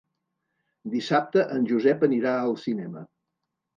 Dissabte en Josep anirà al cinema.